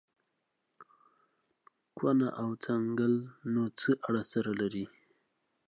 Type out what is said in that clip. کونه او څنگل نو څه اړه سره لري.